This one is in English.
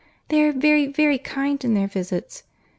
They are very, very kind in their visits.